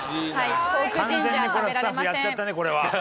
完全にこれはスタッフやっちゃったねこれは。